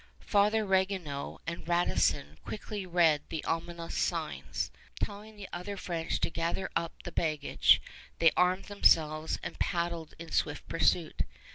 Father Ragueneau and Radisson quickly read the ominous signs. Telling the other French to gather up the baggage, they armed themselves and paddled in swift pursuit.